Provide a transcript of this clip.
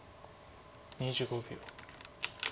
２５秒。